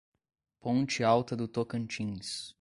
Ponte Alta do Tocantins